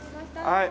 はい。